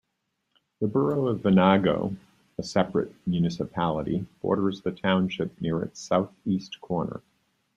The borough of Venango, a separate municipality, borders the township near its southeast corner.